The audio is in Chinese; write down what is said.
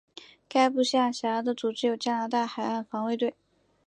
该部下辖的组织有加拿大海岸防卫队。